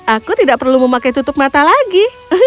aku tidak perlu memakai tutup mata lagi